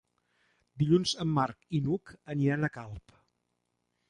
Dilluns en Marc i n'Hug aniran a Calp.